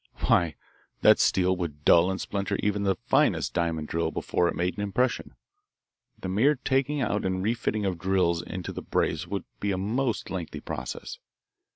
"Why, that steel would dull and splinter even the finest diamond drill before it made an impression. The mere taking out and refitting of drills into the brace would be a most lengthy process.